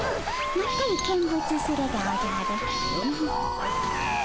まったり見物するでおじゃる。